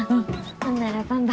ほんならばんば。